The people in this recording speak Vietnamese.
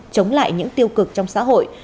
chống lại những tiêu cực trong xã hội